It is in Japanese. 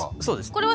そうです。